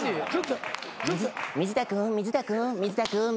水田君水田君水田君水田君。